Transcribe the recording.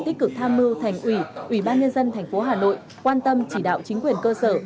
tích cực tham mưu thành ủy ủy ban nhân dân thành phố hà nội quan tâm chỉ đạo chính quyền cơ sở